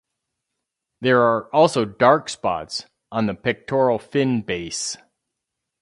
There are also dark spots on the pectoral fin base.